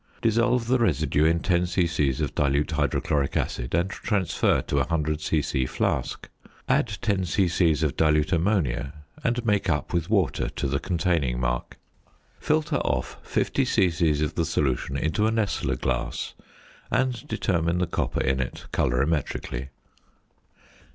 Dissolve the residue in 10 c.c. of dilute hydrochloric acid and transfer to a 100 c.c. flask. Add 10 c.c. of dilute ammonia and make up with water to the containing mark. Filter off 50 c.c. of the solution into a Nessler glass and determine the copper in it colorimetrically.